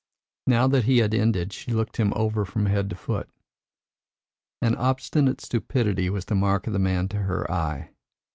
Now that he had ended, she looked him over from head to foot. An obstinate stupidity was the mark of the man to her eye.